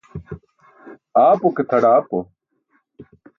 Aapo ke tʰaḍaapo.